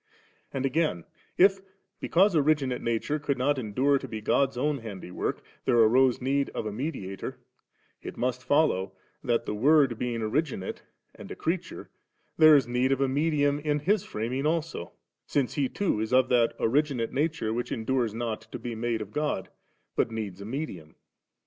And again, if because originate nature could not endure to be God's own handywork, there arose need of a mediator*, it must follow, that, the Word being originate and a creatore^ there is need of medium in tfis framing also^ since He too is of that originate nature which endures not to be made of God, but needs a medium.